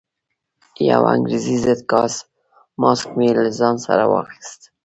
یو انګریزي ضد ګاز ماسک مې له ځان سره واخیست.